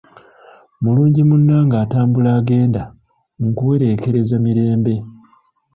Mulungi munnange atambula agenda, nkuwereekereza mirembe